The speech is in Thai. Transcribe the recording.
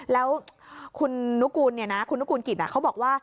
แล้วคุณนุกูลกิจเขาบอกว่า